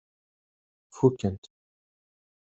Fukent.